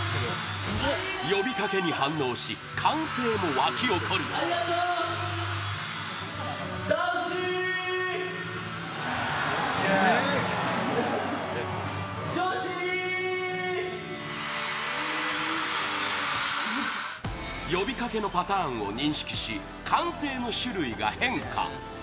呼びかけに反応し歓声も沸き起こる呼びかけのパターンを認識し歓声の種類が変化